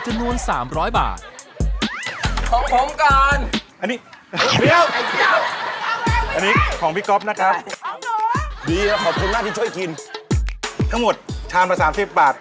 จำนวน๓๐๐บาท